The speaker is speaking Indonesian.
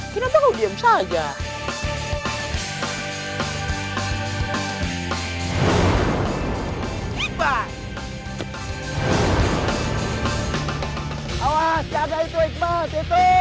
siap bun helah